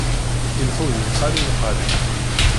Ileḥḥu d nnqali nnqali.